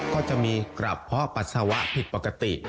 ก็จะมีกระเพาะปัสสาวะผิดปกติ